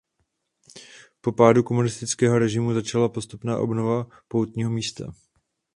Po pádu komunistického režimu začala postupná obnova poutního místa.